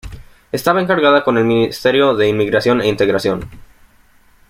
Estaba encargada con el ministerio de Inmigración e Integración.